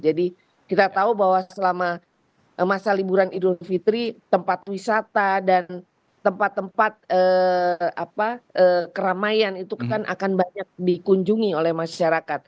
jadi kita tahu bahwa selama masa liburan idul fitri tempat wisata dan tempat tempat keramaian itu kan akan banyak dikunjungi oleh masyarakat